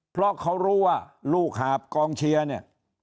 เพราะเขารู้ว่าลูกหาบกองเชียร์เนี่ย